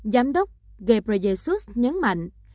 giám đốc ghebreyesus nhấn mạnh